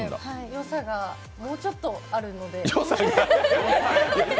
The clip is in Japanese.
よさがもうちょっとあるので。